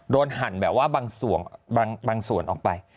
โดนแบบบางส่วนออกไป